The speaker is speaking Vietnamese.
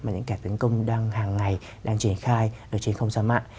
những kẻ tấn công đang hàng ngày đang triển khai trên không gian mạng